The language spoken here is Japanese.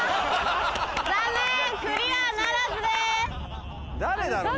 残念クリアならずです。